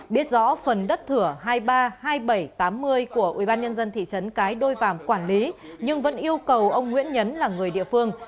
biết rõ phần đất thửa hai trăm ba mươi hai nghìn bảy trăm tám mươi của ubnd thị trấn cái đôi vảm quản lý nhưng vẫn yêu cầu ông nguyễn nhấn là người địa phương